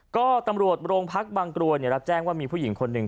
ก็ตำรวจโรงพักบางกรวยรับแจ้งว่ามีผู้หญิงคนหนึ่ง